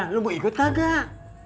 lo mau ikut gak